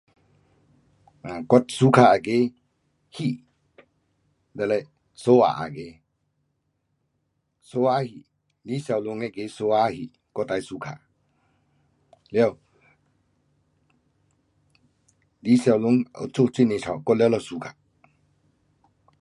um 我 suka 那个戏,就是 psoas 那个，psoas 戏，李小龙那个 psoas 戏，我最 suka。了，李小龙有做很多出，我全部 suka.